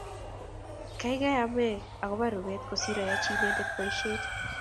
geigei amee agoba rubet kosiir ayochi inendet boishet